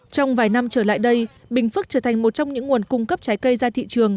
trong vài năm trở lại đây bình phước trở thành một trong những nguồn cung cấp trái cây ra thị trường